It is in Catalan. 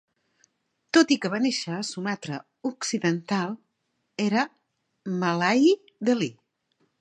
Tot i que va néixer a Sumatra occidental, era malai deli.